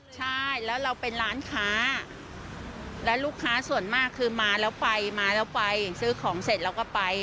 ใช่แล้วเราเป็นร้านค้าแล้วลูกค้าส่วนมากคือมาแล้วไปมาแล้วไปซื้อของเสร็จเราก็ไป